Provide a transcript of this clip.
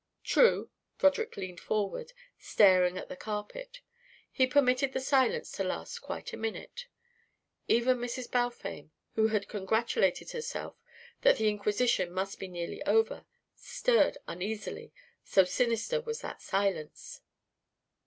"True." Broderick leaned forward, staring at the carpet. He permitted the silence to last quite a minute. Even Mrs. Balfame, who had congratulated herself that the inquisition must be nearly over, stirred uneasily, so sinister was that silence.